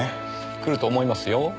くると思いますよ。